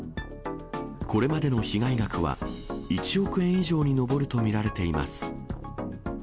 これまでの被害額は１億円以上に上ると見られています。